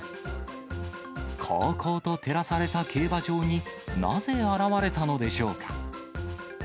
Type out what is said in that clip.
こうこうと照らされた競馬場に、なぜ現れたのでしょうか。